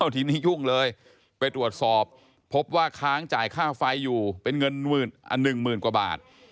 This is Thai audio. ทีนี้ยุ่งเลยไปตรวจสอบพบว่าค้างจ่ายค่าไฟอยู่เป็นเงิน๑๐๐๐กว่าบาท